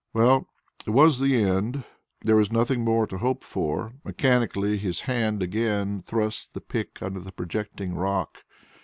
Well, it was the end. There was nothing more to hope for. Mechanically his hand again thrust the pick under the projecting rock.